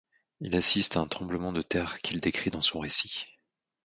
Il assiste à un tremblement de terre qu'il décrit dans son récit.